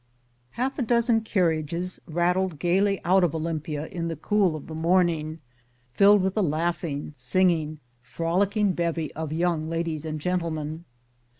Half a dozen carriages rattled gayly out of Olympia in the cool of the morning, filled with a laughing, singing, frolicking bevy of young ladies and gentlemen.